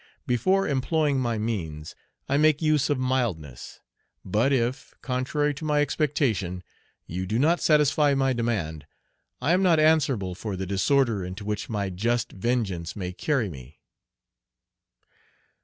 Before employing my means, I make use of mildness; but if, contrary to my expectation, you do not satisfy my demand, I am not answerable for the disorder into which my just vengeance may carry me."